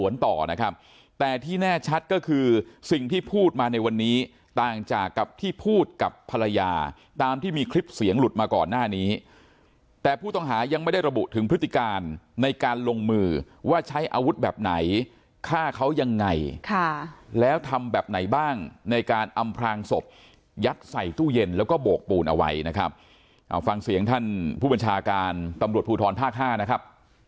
ต่อนะครับแต่ที่แน่ชัดก็คือสิ่งที่พูดมาในวันนี้ต่างจากกับที่พูดกับภรรยาตามที่มีคลิปเสียงหลุดมาก่อนหน้านี้แต่ผู้ต้องหายังไม่ได้ระบุถึงพฤติการในการลงมือว่าใช้อาวุธแบบไหนฆ่าเขายังไงค่ะแล้วทำแบบไหนบ้างในการอำพลางศพยัดใส่ตู้เย็นแล้วก็โบกปูนเอาไว้นะครับเอาฟังเสียงท่านผู้บัญชาการตำรวจภูทรภาคห้านะครับ